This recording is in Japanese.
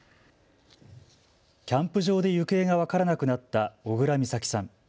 キャンプ場で行方が分からなくなった小倉美咲さん。